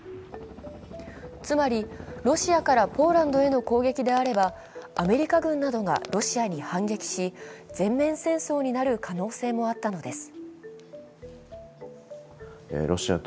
つまりロシアからポーランドへの攻撃であれば、アメリカ軍などがロシアに反撃し全面戦争になる可能性もあったのです。